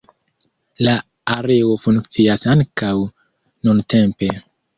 La areo funkcias ankaŭ nuntempe.